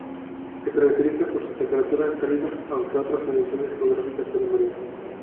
Se caracterizan por su temperatura cálida, aunque otras condiciones geográficas puedan variar.